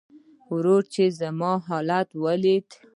ورور چې زما حالت وليده .